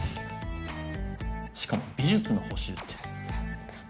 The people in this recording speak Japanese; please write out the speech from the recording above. しかも美術の補習って。